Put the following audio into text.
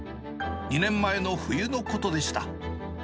２年前の冬のことでした。